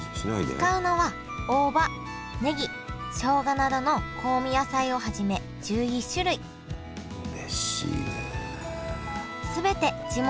使うのは大葉ねぎしょうがなどの香味野菜をはじめ１１種類うれしいね。